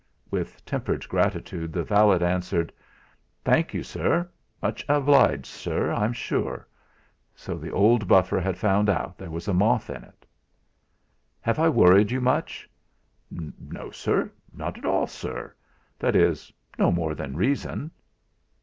With tempered gratitude the valet answered: "Thank you, sir; much obliged, I'm sure." So the old buffer had found out there was moth in it! "Have I worried you much?" "No, sir; not at all, sir that is, no more than reason."